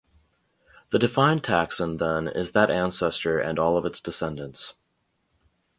The defined taxon, then, is that ancestor and all of its descendants.